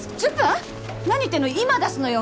何言ってんの今出すのよ！